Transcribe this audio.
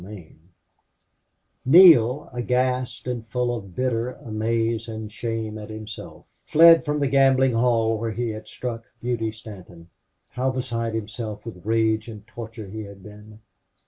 30 Neale, aghast and full of bitter amaze and shame at himself, fled from the gambling hall where he had struck Beauty Stanton. How beside himself with rage and torture he had been!